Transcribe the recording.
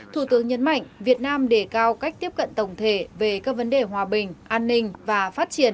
thủ tướng nhấn mạnh việt nam đề cao cách tiếp cận tổng thể về các vấn đề hòa bình an ninh và phát triển